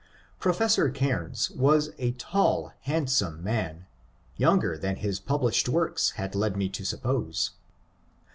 Professor Caimes was a tall, handsome man, younger than his published works had led me to suppose.